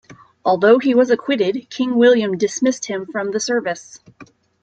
Although he was acquitted, King William dismissed him from the service.